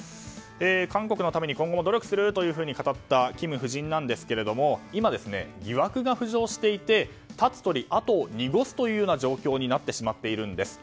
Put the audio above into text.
韓国のために今後も努力すると語ったキム夫人なんですけれども今、疑惑が浮上していてたつ鳥、跡を濁すという状況になってしまっているんです。